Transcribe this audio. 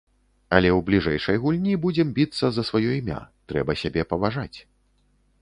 Але ў бліжэйшай гульні будзем біцца за сваё імя, трэба сябе паважаць.